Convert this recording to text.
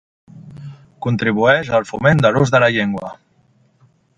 Contribueix al foment de l'ús de la llengua